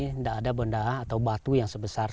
tidak ada benda atau batu yang sebesar